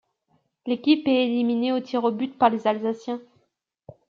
L'équipe est éliminée aux tirs au but par les Alsaciens.